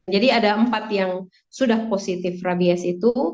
jadi ada empat yang sudah positif rabies itu